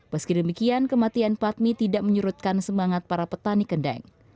meskidemikian kematian patmi tidak menyurutkan semangat para petani kendeng